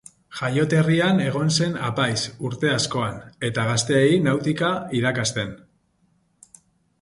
Jaioterrian egon zen apaiz, urte askoan, eta gazteei nautika irakasten.